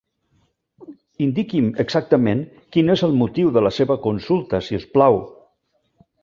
Indiqui'm exactament quin és el motiu de la seva consulta, si us plau.